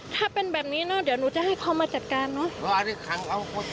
ถ้าเป็นแบบนี้เนอะเดี๋ยวหนูจะให้เขามาจัดการเนอะ